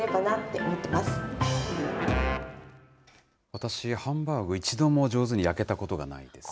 私、ハンバーグ、一度も上手に焼けたことがないです。